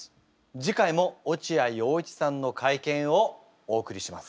次回も落合陽一さんの会見をお送りします。